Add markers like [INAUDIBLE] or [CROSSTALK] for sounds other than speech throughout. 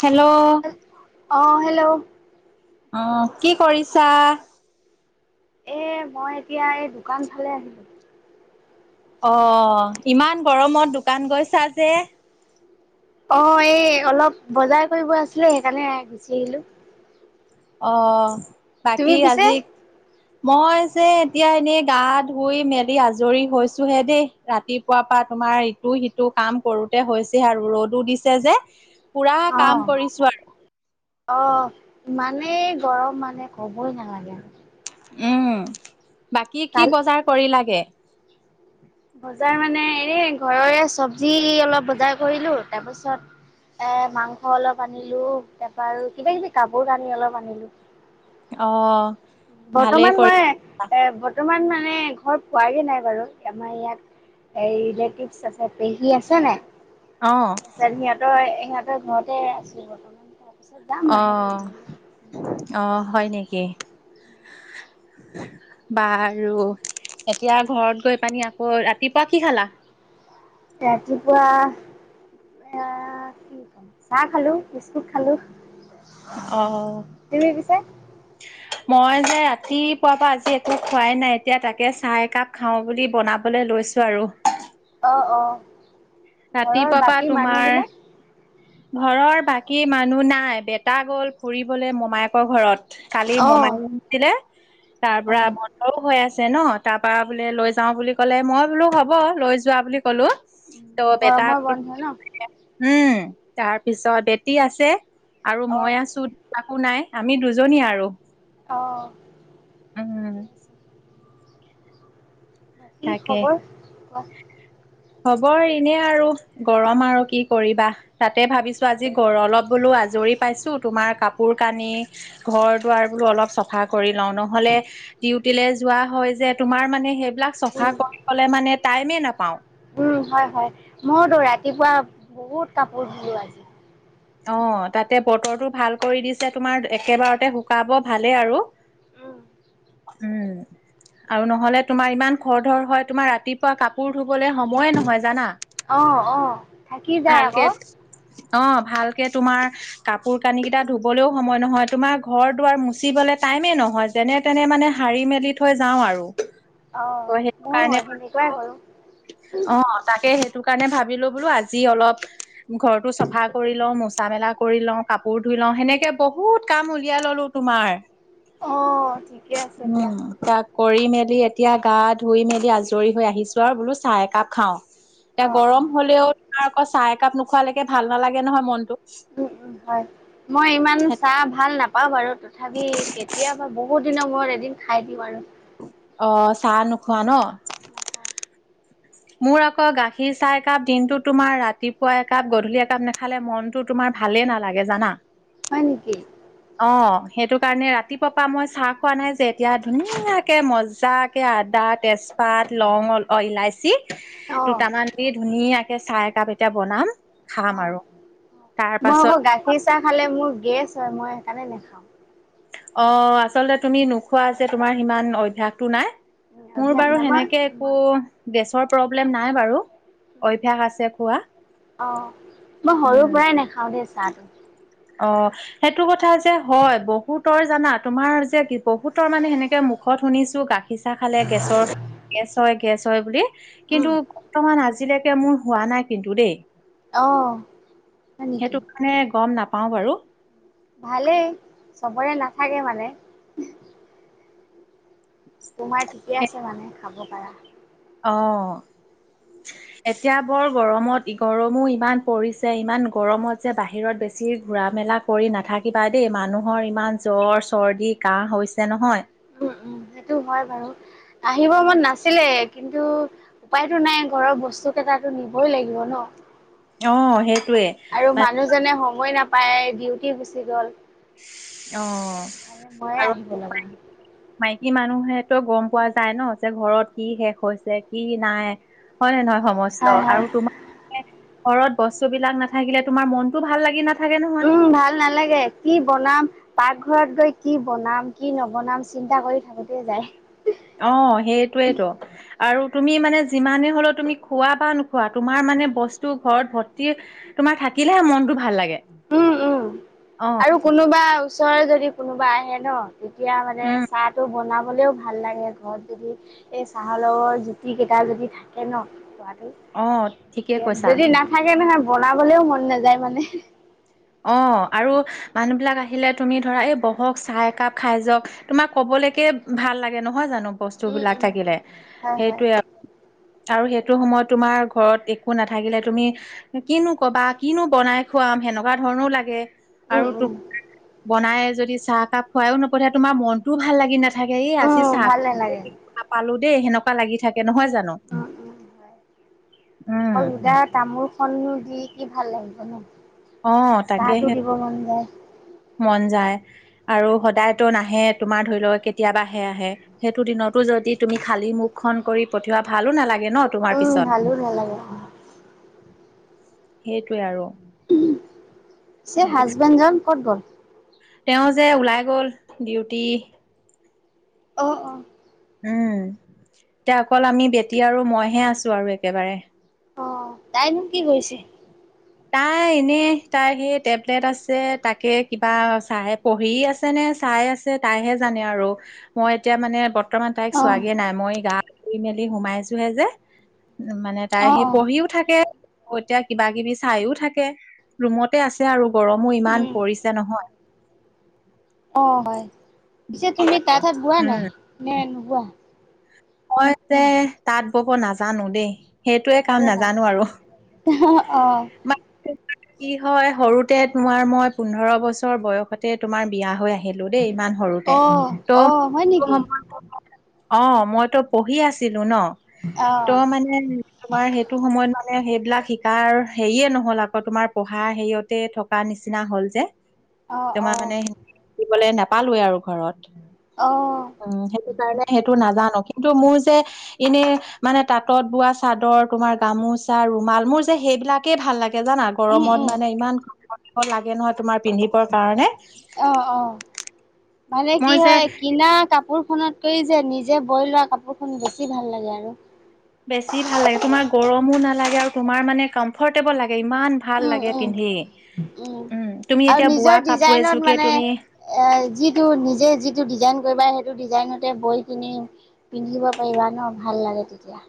Hello. অঁ, hello. অঁ, কি কৰিছা? এ মই এতিয়া এই দোকানফালে আছিলো। অ, ইমান গৰমত দোকান গৈছা যে? অ, এই অলপ বজাৰ কৰিব আছিলে, সেইকাৰণে গুচি আহিলো। অঁ, তুমি বাকী পিছে? আজি মই যে, এতিয়া এনেই গা ধুই মেলি আজৰি হৈছো হে দেই। ৰাতিপুৱা পৰা তোমাৰ ইটো-সিটো কাম কৰোতে, হৈছে আৰু। ৰ'দও দিছে যে, পুৰা অ', কাম কৰিছো আৰু। অ, ইমানেই গৰম মানে কবই নালাগে। উম, বাকী কি কাল বজাৰ কৰি লাগে? বজাৰ মানে, এই ঘৰৰে চবজি অলপ বজাৰ কৰিলো, তাৰপিছত এ, মাংস অলপ আনিলো, তাৰপা আৰু কিবা- কিবি কাপোৰ- কানি অলপ আনিলো। অ, ভালেই বৰ্তমান মই, কৰিলা এই, বৰ্তমান মানে ঘৰত পোৱাগে নাই বাৰু আমাৰ ইয়াত এই, ৰিলেটিচ আছে পেহী আছে নে? অ, আছে হি, সিহঁতৰ, সিহঁতৰ ঘৰতে আছো, বৰ্তমান। তাৰপিছত যাম অ, লাহেকে ঘৰলৈ। অ, হয় নিকি? বাৰু এতিয়া ঘৰত গৈ পানি, আকৌ ৰাতিপুৱা কি খালা? ৰাতিপুৱা, এয়া চাহ খালো, বিস্কুট খালো। অ, [INAUDIBLE] মই যে ৰাতিপুৱাৰ পৰা আজি একো খোৱাই নাই, এতিয়া তাকে চাহ একাপ খাও বুলি বনাব লৈছো, আৰু। অ, অ, ঘৰৰ ৰাতিপুৱা বাকী পৰা মানুহ তোমাৰ বিলাক ঘৰৰ বাকী মানুহ নাই, দেতা গ'ল ফুৰিবলৈ মোমায়েকৰ ঘৰত। কালি অ', মোমাইয়েক আহিছিলে। তাৰ পৰা অ', সৰু হৈ আছে ন, তাৰ পৰা বোলে লৈ যাও বুলি ক'লে, মই বোলো হ'ব লৈ যোৱা বুলি কলো। ত, গৰমৰ বেটাক বন্ধ ন উম, তাৰ পিছত বেটি আছে, আৰু মই অ', আছোঁ। শাহু নাই, আমি দুজনী আৰু অ, ঠিকে উম, আছে। কি তাকে। খবৰ [INAUDIBLE] খবৰ এনে আৰু গৰম আৰু কি কৰিবা, তাতে ভাবিছোঁ আজি গৰলত অলপ বোলো আজৰি পাইছোঁ, তোমাৰ কাপোৰ-কানি ঘৰ-দোৱাৰ বোলোঁ অলপ চফা কৰি লওঁ, নহ'লে ডিউটি লৈ যোৱা হয় যে, তোমাৰ মানে সেইবিলাক চফা উম, কৰিলে মানে টাইমে নাপাওঁ। উম, হয়, হয়, মইতো ৰাতিপুৱা বহুত কাপোৰ ধুলো আজি। অ, তাতে বতৰটো ভাল কৰি দিছে, তোমাৰ একেবাৰতে শুকাব ভালেই আৰু। উম উম, আৰু নহ'লে তোমাৰ ইমান খৰ ধৰ হয়, তোমাৰ ৰাতিপুৱা কাপোৰ ধুবলৈ সময়ে নহয় জানা। অ, অ, থাকি যায় ভালকে আকৌ। অ, ভালকে তোমাৰ কাপোৰ-কানি কেইটা ধবলেও সময় নহয়। তোমাৰ ঘৰ- দুৱাৰ মুচিবলে টাইমে নহয়। তেনে-তেনে মানে সাৰি মেলি থৈ যাওঁ আৰু। ত, অ', সেইটো ময়ো কাৰণে মাতটো সেনেকুৱাই কৰোঁ। অ, তাকে, সেইটো কাৰণে ভাবিলোঁ বোলোঁ, আজি অলপ ঘৰটো চাফা কৰি লওঁ মচি মুচা-মেলা কৰি লওঁ, কাপোৰ ধুই লওঁ, সেনেকে বহুত কাম উলিয়াই ললোঁ তোমাৰ। অ', ঠিকে আছে দিয়া উম, তাত কৰি মেলি, এতিয়া গা-ধুই মেলি আজৰি হৈ আহিছোঁ, আৰু বোলো চাহ একাপ খাওঁ। এতিয়া অ', গৰম অ', হলেও তোমাৰ আকৌ চাহ একাপ নোখোৱালৈকে ভাল নালাগে নহয় মনটো। উম' উম' হয়, মই ইমান চাহ ভাল নাপাওঁ বাৰু তথাপি কেতিয়াবা বহুত দিনা মোৰ এদিন খাই দিওঁ আৰু। অ' চাহ নোখোৱা ন? নাখাওঁ। মোৰ আকৌ গাখীৰ চাহ একাপ দিনতো তোমাৰ ৰাতিপুৱা একাপ, গধূলি একাপ নেখালে মন টো' তোমাৰ ভালে নালাগে জানা। হয় নেকি? অ' সেইটো কাৰণে ৰাতিপুৱা পৰা মই চাহ খোৱা নাই যে এতিয়া ধুনীয়াকে মজা কে আদা, তেজপাত, লং অ, অ ইলাচি অ', দুটামান দি ধুনীয়াকে চাহ একাপ এতিয়া বনাম। খাম আৰু অ', তাৰ মই পাছত আকৌ গাখীৰ চাহ খালে মোৰ গেছ হয় মই সেইকাৰণে নেখাওঁ। অ, আচলতে তুমি নোখোৱা যে তোমাৰ সিমান অভ্যাসটো নাই। মোৰ অভ্যাস বাৰু নাই মই সেনেকে একো গেছৰ প্ৰব্লেম নাই বাৰু। অভ্যাস আছে খোৱা। অ'। উম'। মই নেখাওঁ দে চাহটো। অ' সেইটো কথা যে হয়। বহুতৰ জানা তোমাৰ যে কি বহুতৰ মানে সেনেকে মুখত শুনিছোঁ গাখ খীৰ চাহ খালে গেছৰ গেছ হয় গেছ হয় বুলি কিন্তু উম, বৰ্তমান আজিলৈকে মোৰ হোৱা নাই কিন্তু দেই, অ', হয় নেকি? সেইটো কাৰণে গম না পাওঁ বাৰু। ভালেই, চবৰে নাথাকে মানে। তোমাৰ ঠিকে আছে মানে খাব পাৰা। অঁ। [INAUDIBLE] এতিয়া বৰ গৰমত ই গৰমো ইমান পৰিছে, ইমান গৰমত যে বাহিৰত বেছি ঘূৰা মেলা কৰি নাথাকিবা দেই, মানুহৰ ইমান জ্বৰ, চৰ্দি, কাহ হৈছে নহয়। উম উম সেইটো হয় বাৰু, আহিব মন নাছিলে কিন্তু উপায়তো নাই, ঘৰৰ বস্তু কেইটাটো নিবই লাগিব ন। অ সেইটোৱে। আৰু মানে মানুহজনে সময় নাপায়, ডিউটি গুচি গ'ল। অ। [UNINTELLIGIBLE] মই আৰু আহিব লগা মাইকী মানুহেতো গম পোৱা যায় ন যে ঘৰত কি শেষ হৈছে, কি নাই হয় নে নহয় সমস্ত হয় হয় আৰু তোমা ঘৰত বস্তুবিলাক নাথাকিলে তোমাৰ মনতো ভাল লাগি নাথাকে ন উম ভাল নালাগে কি বনাম পাকঘৰত গৈ কি বনাম কি নবনাম চিন্তা কৰি থাকোতে যায়। অ সেইটোয়েই ত। আৰু তুমি মানে যিমানে হলেও তুমি খোৱা বা নোখোৱা, তোমাৰ মানে বস্তু ঘৰত ভৰ্তি তোমাৰ থাকিলেহে মনতো ভাল লাগে। উম উম অ', আৰু কোনোবা ওচৰৰে যদি কোনোবা আহে ন তেতিয়া মানে উম, চাহটো বনাবলেও ভাল লাগে। ঘৰত যদি এই চাহৰ লগৰ জুতি কেইটা যদি থাকে ন খুৱাটো অ', ঠিকে কৈছা। যদি নাথাকে নহয় বনাবলেও মন নাযায় মানে। অঁ আৰু- মানুহ বিলাক আহিলে তুমি ধৰা এই বহক চাহ একাপ খাই যাওঁক তোমাক কবলৈকে ভাল লাগে নহয় জানো। বস্তু উম বিলাক উম। থাকিলে হয় হয় সেইটোৱে- আৰু সেইটো সময়ত তোমাৰ ঘৰত একো নাথাকিলে তুমি- কিনো কবা কিনো বনাই খুৱাম সেনেকুৱা ধৰণও লাগে উম আৰু উম তুমি - বনাই যদি চাহ কাপ খুৱাইও নপঠিয় তোমাৰ মনতও ভাল লাগি নাথাকে এই আজি উম চাহ ভাল নালাগে কাপ- নাপালো দেই সেনেকুৱা লাগি থাকে নহয় জানো। অঁ অঁ হয় উম অকল সুদা তামোল- খন নো দি কি ভাল লাগিব ন অ চাহটো তাকেহে দিব মন যায়। মন যায় আৰু সদায়তো নাহে তোমাৰ ধৰি লওঁক কেতিয়াবাহে আহে। সেইটো দিনতো যদি তুমি খালি মুখ খন কৰি পঠিওৱা ভালো নালাগে ন। তোমাৰ উম পিছত ভালো নালাগে সেইটোৱে আৰু। পিছে সে হাজবেণ্ডজন ক'ত গ'ল। তেওঁ যে ওলাই গ'ল ডিউটি। অঁ অঁ! উমঁ এতিয়া অকল আমি বেটি আৰু মইহে আছো আৰু একেবাৰে। অঁ তাইনো কি কৰিছে? তাই এনে তাই সেই টেবলেট আছে তাকে কিবা চাই পঢ়ি আছে। তেনে চাই আছে তাইহে জানে আৰু মই এতিয়া মানে বত- বৰ্তমান তাইক অ চোৱাগে নাই মই গা ধুই মেলি সোমাইছোহে যে উ মানে- তাই অ সেই অ পঢ়িও থাকে এতিয়া কিবা কিবি চাইও থাকে। ৰুমতে আছে আৰু গৰমো ইমান উম পৰিছে নহয়। অঁ হঁয় পিছে তুমি তাঁতহাত বোৱা নাই উম নে নোবোৱা? মই যে তাঁত বব নাজানো দেই সেইটোয়ে কাম নাজানো আৰু। আহাহা অঁ। মানে কি হয় সৰুতে তোমাৰ মই পোন্ধৰ বছৰ বয়সতে তোমাৰ বিয়া হৈ আহিলো। আহিলো দেই ইমান সৰুতে অ ত অ হয় নেকি সময়ত- অঁ মই তো পঢ়ি আছিলো ন ত অ মানে- তোমাৰ সেইটো সময়ত মানে সেইবিলাক শিকো- তাৰ হেৰিয়ে নহ'ল আকৌ তোমাৰ পঢ়া হেৰিয়তে থকা নিচিনা হ'ল যে। অ', তোমাৰ অ', মানে শিকিবলৈ নাপালোয়ে আৰু ঘৰত। অ', উমঁ সেইটো কাৰণে সেইটো নাজানো কিন্তু মোৰ যে- এনে মানে তাঁতত বোৱা চাদৰ তোমাৰ গামোচা ৰুমাল মোৰ- যে সেইবিলাকে ভাল লাগে জানা উম, গৰমত উম, মানে ইমান ঘাম মচিব লাগে নহয় তোমাৰ- পিন্ধিবৰ কাৰণে- অঁ অঁ মানে কি মই যে হয় কিনা কাপোৰখনত- কৰি যে নিজে বই লোৱা কাপোৰ খন বেছি ভাল লাগে আৰু। বেছি ভাল লাগে তোমাৰ গৰমো নালাগে আৰু তোমাৰ মানে কমফৰ্টেবল লাগে ইমান- ভাল উম, লাগে উম, পিন্ধি উম উমঁ তুমি আৰু এতিয়া বোৱা নিজৰ কাপোৰ ডিজাইনত এযোৰোকে মানে তুমি। এ যিটো নিজে যিটো ডিজাইন কৰিবা সেইটো ডিজাইনতে বৈ কিনি- পিন্ধিব পাৰিবা ন ভাল লাগে তেতিয়া।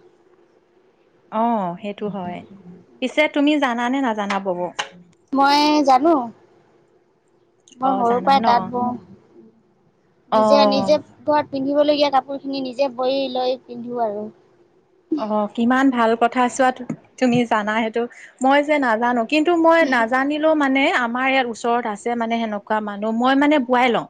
অঁ সেইটো হয়ঁ পিছে তুমি জানা নে নাজানা বব? মই জানোঁ। অ মই সৰু জানা পৰাই ন তাঁত বওঁ নিজে অ নিজে- ঘৰত পিন্ধিবলগীয়া কাপোৰ খিনি নিজে বয় লৈ পিন্ধো আৰু। অ কিমান ভাল কথা চোৱা তুমি জানা সেইটো মই যে নাজানো। কিন্তু মই নাজানিলেও মানে আমাৰ ইয়াত ওচৰত আছে মানে সেনেকুৱা মানুহ মই মানে বোৱাই লওঁ।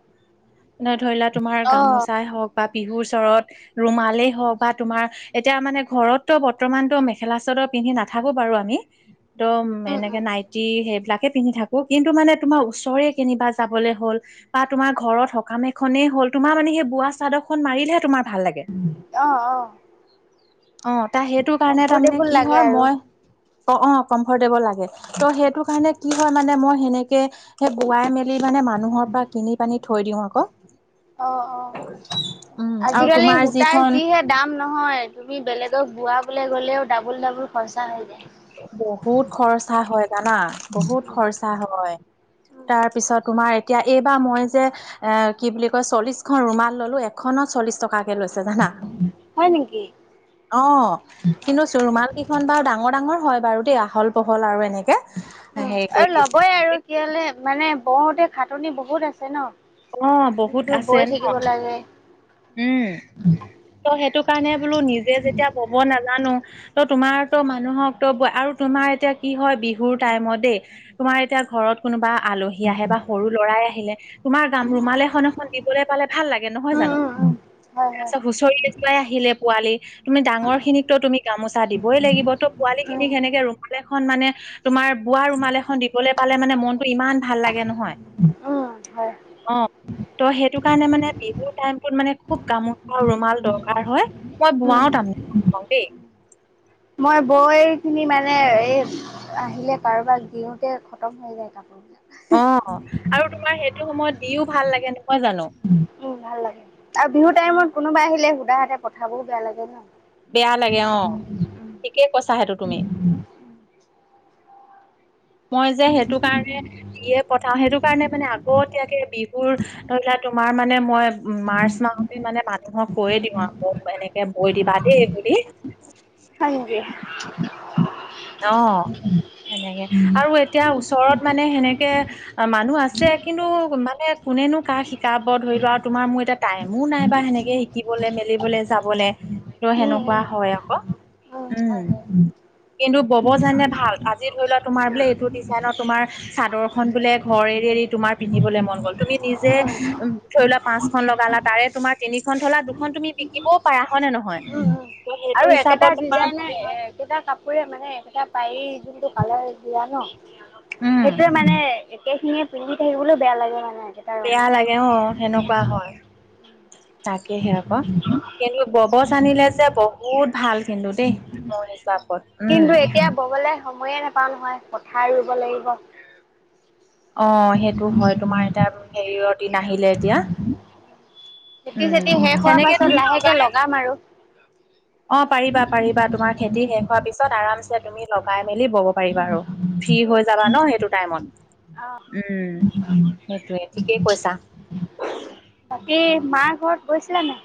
ন ধৰিলোৱা তোমাৰ অ', গামোচাই হওক বা বিহুৰ ওচৰত ৰুমালেই হওক বা তোমাৰ এতিয়া মানে ঘৰততো বৰ্তমানতো মেখেলা চাদৰ পিন্ধি নাথাকো বাৰু আমি একদম উম, এনেকে উম, নাইটি সেইবিলাকে পিন্ধি থাকো কিন্তু মানে তোমাৰ ওচৰৰে কেনিবা যাবলৈ হ'ল বা তোমাৰ ঘৰত স -কাম এখনেই হ'ল তোমাৰ মানে সেই বোৱা চাদৰখন মাৰিলেহে তোমাৰ ভাল লাগে। অ', অ'। অ তাৰ সেইটো কাৰণে তাৰমানে কমফৰ্টেবল কি লাগে হয় আৰু। মই অ অ কমফৰ্টেবল লাগে ত সেইটো কাৰণে কি হয় মানে মই সেনেকে সেই বোৱাই মেলি মানে মানুহৰ পৰা কিনি পানি থৈ দিওঁ। আকৌ অ অ উম আৰু আজিকালি তোমাৰ সুতাৰ যিখন যিহে দাম নহয় তুমি বেলেগক বোৱাবলে গ'লেও ডাবুল ডাবুল খৰচা হৈ যায় বহুত খৰচা হয় জানা বহুত খৰচা হয়। তাৰ পিছত তোমাৰ এতিয়া এইবাৰ মই যে এ কি বুলি কয় চল্লিশখন ৰুমাল ল'লো এখনত চল্লিশ টকা -কে লৈছে জানা হয় নেকি? অ কিন্তু চো ৰুমাল কেইখন বাৰু ডাঙৰ ডাঙৰ ডাঙৰ হয় বাৰু দেই আহল বহল আৰু এনেকে। উম হেৰি কৰি আৰু দিছে ল'বই আৰু কেলে মানে বওঁতে খাটনি বহুত আছে ন। অ বহুত দিনটো আছে বৈ ন থাকিব লাগে। উম। ত' সেইটো কাৰণে বোলো নিজে যেতিয়া বব নাজানো ত' তোমাৰতো মানুহকতো আৰু তোমাৰ এতিয়া কি হয় বিহুৰ টাইমত দেই তোমাৰ এতিয়া ঘৰত কোনোবা আলহী আহে বা সৰু ল'ৰাই আহিলে তোমাৰ ৰুমাল এখন এখন দিবলে পালে ভাল লাগে নহয় উম, জানো। উম, উম, হয়, হয়। তাৰপিছত হুচৰি এযোৰাই আহিলে পোৱালি তুমি ডাঙৰ খিনিকতো তুমি গামোচা দিবই লাগিব ত' পোৱালি উম, খিনিক সেনেকে ৰুমালে খন মানে তোমাৰ বোৱা ৰুমাল এখন দিবলে পালে মানে মনটো ইমান ভাল লাগে নহয়। উম, হয়। অ ত' সেইটো কাৰণে মানে বিহুৰ টাইমটোত মানে খুব গামো ৰুমাল দৰকাৰ হয় মই উম, বোৱাও তাৰমানে দেই। মই বৈ পিনি মানে এই আহিলে কাৰোবাক দিওতে খতম হৈ যায় কাপোৰ বিলাক অ আৰু তোমাৰ সেইটো সময়ত দিও ভাল লাগে নহয় জানো। উম ভাল লাগে আৰু বিহুৰ টাইমত কোনোবা আহিলে শুদা হাতে পঠাবও বেয়া লাগে ন বেয়া লাগে অ ঠিকেই কৈছা সেইটো তুমি মই যে সেইটো কাৰণে দিয়ে পঠাও সেইটো কাৰণে মানে আ আগতীয়াকে বিহুৰ ধৰি লোৱা তোমাৰ মানে মই মাৰ্চ মাহতে মানে মানুহক কৈয়ে দিওঁ আৰু এনেকে বৈ দিবা দেই বুলি। হয় নিকি? অ [UNINTELLIGIBLE] সেনেকে আৰু এতিয়া ওচৰত মানে সেনেকে মানুহ আছে কিন্তু মানে কোনেনো কাক শিকাব ধৰি লোৱা আৰু তোমাৰ মোৰ এতিয়া টাইমো নাইবা সেনেকে শিকিবলে মেলিবলে যাবলে। ত' উম উম সেনেকুৱা হয় আকৌ উম। কিন্তু ব'ব জানিলে ভাল আজি ধৰি লোৱা তোমাৰ বোলে উম এইটো ডিজাইনৰ তোমাৰ চাদৰখন বোলে ঘৰ এৰি এৰি তোমাৰ পিন্ধিবলে মন গ'ল তুমি নিজে উম ধৰি লোৱা পাঁচখন লগালা তাৰে তোমাৰ তিনিখন থলা দুখন তুমি বিকিবও পাৰা হয়নে নহয়। উম। ত সেইটো আৰু একেটা হিচাপত তোমাৰ ডিজাইনয়ে আহ এইকেইটা কাপোৰে মানে এইকেইটা পায়ে, যোনটো কালাৰ দিয়া ন, উম সেইটোৱে মানে একেখিনি পিন্ধি থাকিবলৈও, বেয়া লাগে মানে। বেয়া ৰঙে। লাগে অ', সেনেকুৱা হয়, তাকেহে আকৌ। কিন্তু বব' জানিলে যে বহুত ভাল কিন্তু দেই মোৰ হিচাপত, উম। ব'ব'লে সময়ে নোপাওঁ নহয়, পথাৰ ৰুব লাগিব। অ' সেইটো হয়, তোমাৰ এতিয়া হেৰিৰ দিন আহিলে এতিয়া। খেতি উম, চেতি শেষ হোৱাৰ সেনেকে পাছত তুমি লাহেকে লগাই লগাম আৰু অ' পাৰিবা, পাৰিবা, তোমাৰ খেতি শেষ হোৱাৰ পিছত আৰামছে তুমি লগাই মেলি বব পাৰিবা, আৰু ফ্ৰী হৈ যাবা ন সেইটো টাইমত, উম, সেইটোয়ে, ঠিকেই কৈছা। বাকী, মাৰ ঘৰত গৈছিলা নাই?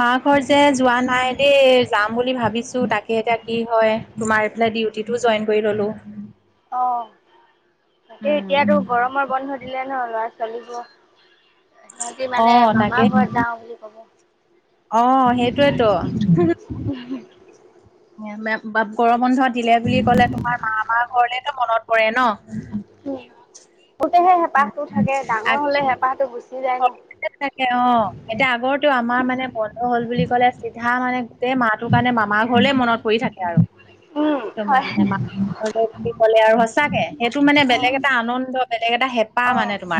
মাৰ ঘৰত যে যোৱা নাই দেই, যাম বুলি ভাবিছো তাকে এতিয়া কি হয়, তোমাৰ এইফালে ডিউটিটো জইন কৰি ল'লো। অ'। তাকে উম এতিয়াতো গৰমৰ বন্ধ দিলে ন ল'ৰা- ছোৱালীবোৰ সিহঁতি অ মানে, তাকে মামাৰ ঘৰত যাওঁ বুলি ক'ব। অ' সেইটোৱেতো। গৰম বন্ধত দিলে বুলি ক'লে, তোমাৰ মামাৰ ঘৰলেতো মনত পৰে ন। সৰুতে হেঁপাহটো থাকে, ডাঙৰ হ'লে হেঁপাহটো গুচি যায় ন। তাকে, তাকে, অ' এতিয়া আগৰতো আমাৰ মানে বন্ধ হ'ল বুলি কলে চিধা মানে গোটেই মাহ মানে মামাৰ ঘৰলে মনত পৰি থাকে আৰু। উম, তোমাৰ হয়। মানে [UNINTELLIGIBLE] ক'লে আৰু সঁচাকে সেইটো মানে বেলেগ অ', এটা আনন্দ বেলেগ এটা হেঁপাহ মানে অ'। তোমাৰ।